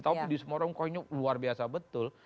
tapi di semua orang konyol luar biasa betul